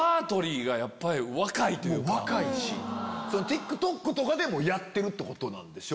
ＴｉｋＴｏｋとかでもやってるってことなんでしょ？